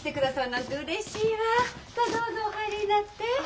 さあどうぞお入りになって。